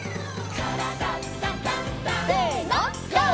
「からだダンダンダン」せのＧＯ！